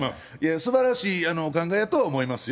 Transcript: すばらしいお考えやとは思いますよ。